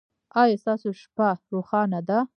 ایا ستاسو شپه روښانه ده؟